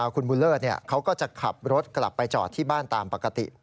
คุณบุญเลิศเขาก็จะขับรถกลับไปจอดที่บ้านตามปกติ